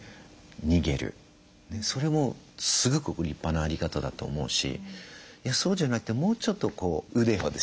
それもすごく立派なあり方だと思うしいやそうじゃなくてもうちょっとこう腕をですね